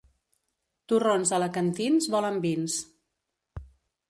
Torrons alacantins volen vins.